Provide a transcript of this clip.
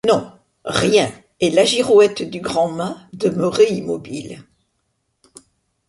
Non, rien, et la girouette du grand mât demeurait immobile.